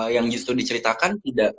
yang justru diceritakan tidak